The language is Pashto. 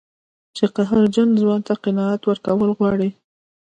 چې قهرجن ځوان ته قناعت ورکول غواړي.